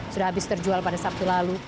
sudah habis terjual pada sabtu lalu